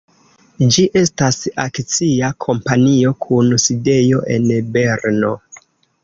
Ĝi estas akcia kompanio kun sidejo en Berno.